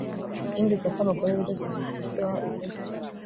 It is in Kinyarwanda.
Numvise ko abagore beza cyane ku isi baba i Boston